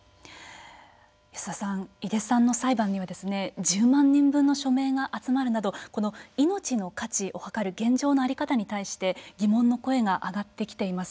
安田さん井出さんの裁判には１０万人分の署名が集まるなどいのちの価値を測る現状の在り方に対して疑問の声が上がってきています。